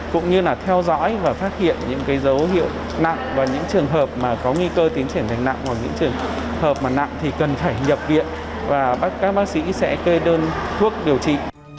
cũng như là theo dõi và phát hiện những dấu hiệu nặng và những trường hợp có nguy cơ tiến triển thành nặng hoặc những trường hợp mà nặng thì cần phải nhập viện và các bác sĩ sẽ kê đơn thuốc điều trị